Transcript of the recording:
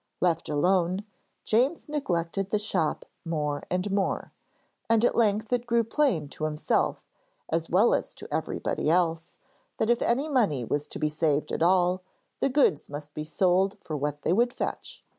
Left alone, James neglected the shop more and more, and at length it grew plain to himself, as well as to everybody else, that if any money was to be saved at all, the goods must be sold for what they would fetch.